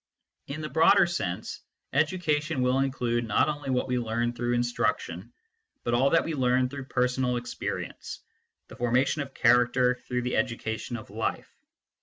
In the broader sense, education will include not only what we learn through instruction, but all that we learn through personal experience the formation of character through the education of life.